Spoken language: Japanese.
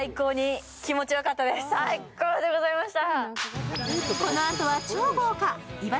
最高でございました。